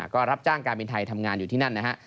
ก็รับจ้างการบินไทยทำงานอยู่ที่นั่นนะฮะ